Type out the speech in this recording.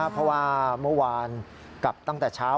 เพราะว่าเมื่อวานกลับตั้งแต่เช้า